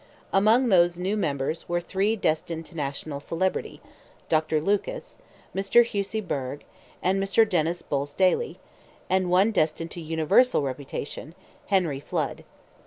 Among those new members were three destined to national celebrity, Dr. Lucas, Mr. Hussey Burgh, and Mr. Dennis Bowes Daly; and one destined to universal reputation—Henry Flood.